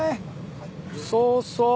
そうそう。